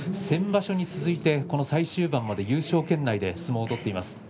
先場所に続いて最終盤まで優勝争いで相撲を取っています。